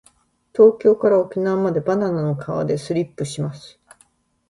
東京から沖縄までバナナの皮でスリップします。